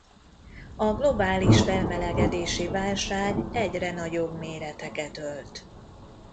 A globális felmelegedési válság egyre nagyobb méreteket ölt.